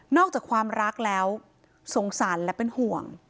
อกจากความรักแล้วสงสารและเป็นห่วง